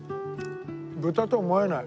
豚とは思えない。